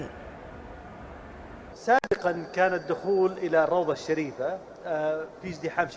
pemerintah arab saudi menerima pelayanan digitalisasi jemaah